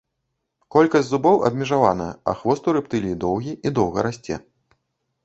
Колькасць зубоў абмежаваная, а хвост у рэптыліі доўгі, і доўга расце.